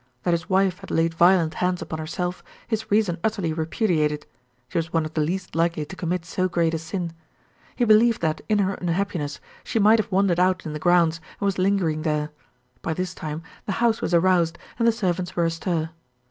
That his wife had laid violent hands upon herself, his reason utterly repudiated, she was one of the least likely to commit so great a sin. He believed that, in her unhappiness, she might have wandered out in the grounds, and was lingering there. By this time the house was aroused, and the servants were astir.